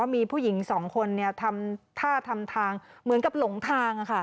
มีผู้หญิงสองคนทำท่าทำทางเหมือนกับหลงทาง